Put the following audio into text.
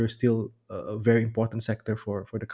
masih adalah sektor yang sangat penting